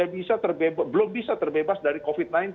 belum bisa terbebas dari covid sembilan belas